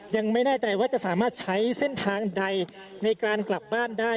ยังไม่แน่ใจว่าจะสามารถใช้เส้นทางใดในการกลับบ้านได้